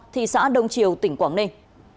thị xã đông triều tỉnh quảng ninh